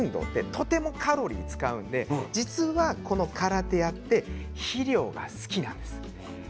とてもカロリーを使うので実はカラテアって肥料が好きなんです。